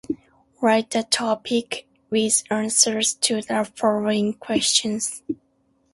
Write a topic with answers to the following questions.